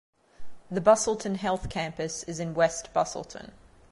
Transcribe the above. The Busselton Health Campus is in West Busselton.